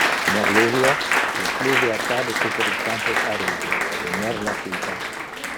Merluvio: le pluvia cade super le campos aride: le merla pipa.